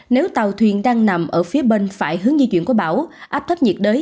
nếu tàu thuyền đang nằm ở phía bên phải hướng di chuyển của bão áp thấp nhiệt đới